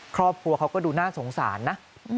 ครอบครัวเขาก็ดูน่าสงสารนะ